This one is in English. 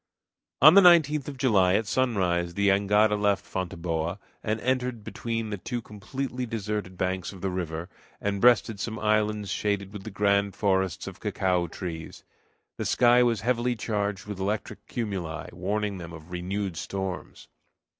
On the 19th of July, at sunrise, the jangada left Fonteboa, and entered between the two completely deserted banks of the river, and breasted some islands shaded with the grand forests of cacao trees. The sky was heavily charged with electric cumuli, warning them of renewed storms.